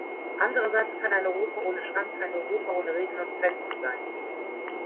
Andererseits kann ein Europa ohne Schranken kein Europa ohne Regeln und Grenzen sein.